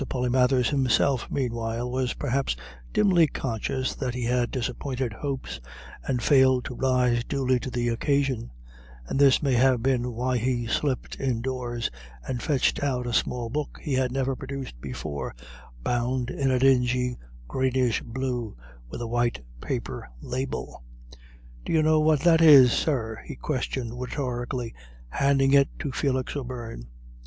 Polymathers himself meanwhile was perhaps dimly conscious that he had disappointed hopes, and failed to rise duly to the occasion; and this may have been why he slipped indoors, and fetched out a small book he had never produced before, bound in a dingy greenish blue, with a white paper label. "D'you know what that is, sir?" he questioned, rhetorically, handing it to Felix O'Beirne.